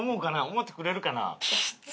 思ってくれるかな？